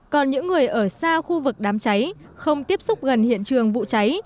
còn những người ở xa khu vực đám cháy không tiếp xúc gần hiện trường vụ cháy